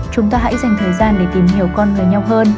chúng ta hãy dành thời gian để tìm hiểu con người nhau hơn